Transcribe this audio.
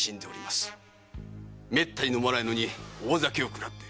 めったに飲まないのに大酒をくらって。